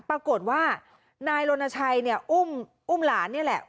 ปรากฏว่านายรณชัยเนี่ยอุ้มหลานนี่แหละ